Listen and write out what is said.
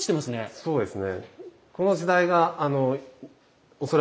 そうですね。